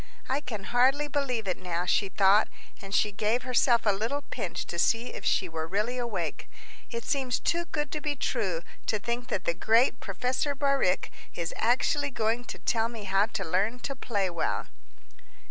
"I can hardly believe it now," she thought, and she gave herself a little pinch to see if she were really awake; "it seems too good to be true to think that the great Professor Bauricke is actually going to tell me how to learn to play well!"